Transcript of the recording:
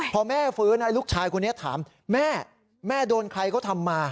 พอแม่ฟื้นลูกชายคนนี้ถามแม่แม่โดนใครเขาทำมา